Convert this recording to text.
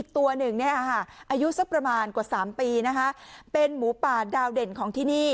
ตัวหนึ่งอายุสักประมาณกว่า๓ปีเป็นหมูป่าดาวเด่นของที่นี่